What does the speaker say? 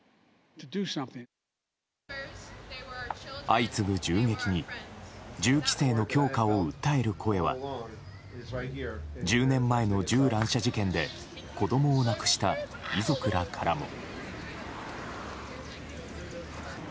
相次ぐ銃撃に銃規制の強化を訴える声は１０年前の銃乱射事件で子供を亡くした遺族らからも。